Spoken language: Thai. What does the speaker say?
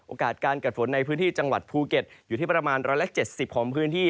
การเกิดฝนในพื้นที่จังหวัดภูเก็ตอยู่ที่ประมาณ๑๗๐ของพื้นที่